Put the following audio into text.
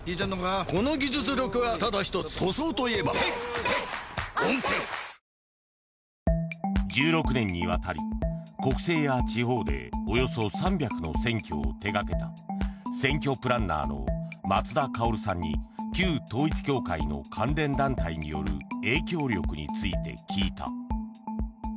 松田さんが関わった選挙の中には１６年にわたり国政や地方でおよそ３００の選挙を手掛けた選挙プランナーの松田馨さんに旧統一教会の関連団体による影響力について聞いた。